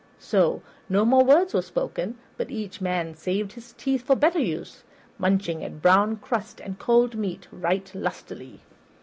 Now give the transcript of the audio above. So no more words were spoken, but each man saved his teeth for better use munching at brown crust and cold meat right lustily.